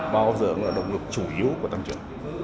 bao giờ cũng là động lực chủ yếu của tăng trưởng